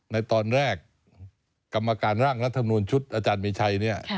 ในตอนแรกกรรมการร่างรัฐมนุนชุดอาจารย์มีชัยเนี่ย